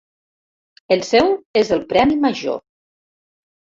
El seu és el premi major.